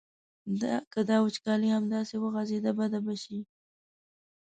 که دا وچکالي همداسې وغځېده بده به شي.